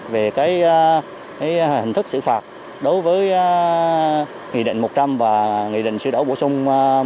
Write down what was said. về hình thức xử phạt đối với nghị định một trăm linh và nghị định sửa đấu bổ sung một trăm hai mươi ba